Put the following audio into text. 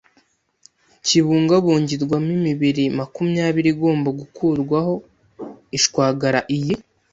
kibungabungirwamo imibiri makumyabiri igomba gukurwaho ishwagara Iyi